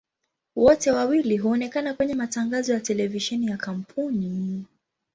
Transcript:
Wote wawili huonekana kwenye matangazo ya televisheni ya kampuni.